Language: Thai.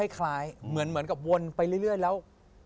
คล้ายเหมือนกับวนไปเรื่อยแล้ว